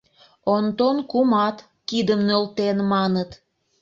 Онтон кумат кидым нӧлтен, маныт...